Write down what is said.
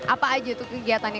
apa aja itu kegiatannya